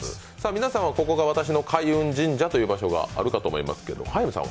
皆さんはここが私の開運神社という所があると思いますが？